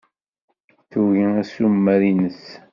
Tugi assumer-nnes.